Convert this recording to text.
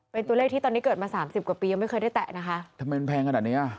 เป็นตัวเลขที่ตอนนี้เกิดมาสามสิบกว่าปียังไม่เคยได้แตะนะคะทำไมมันแพงขนาดเนี้ย